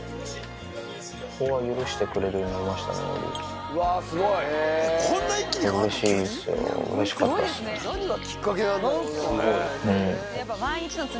ここは許してくれるようになりましたね、のり。